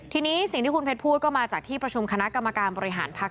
ทีนี้สิ่งที่คุณเพชรพูดก็มาจากที่ประชุมคณะกรรมการบริหารพักษ